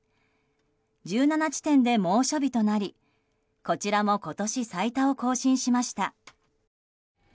１７地点で猛暑日となりこちらも今年最多を更新しました。